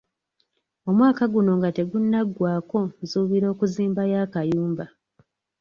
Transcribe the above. Omwaka guno nga tegunnaggwako nsuubira okuzimbayo akayumba.